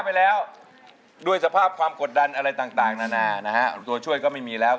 ไปแล้วด้วยสภาพความกดดันอะไรต่างนานานะฮะตัวช่วยก็ไม่มีแล้ว